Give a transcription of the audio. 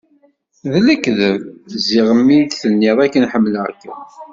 D lekdeb ziɣ mi yi-d-tenniḍ akken ḥemmleɣ-kem?